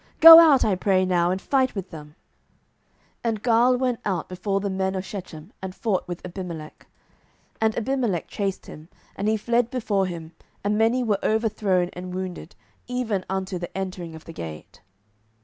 go out, I pray now, and fight with them. 07:009:039 And Gaal went out before the men of Shechem, and fought with Abimelech. 07:009:040 And Abimelech chased him, and he fled before him, and many were overthrown and wounded, even unto the entering of the gate.